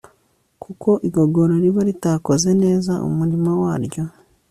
kuko igogora riba ritakoze neza umurimo waryo